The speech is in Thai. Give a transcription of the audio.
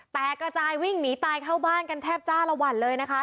กระจายวิ่งหนีตายเข้าบ้านกันแทบจ้าละวันเลยนะคะ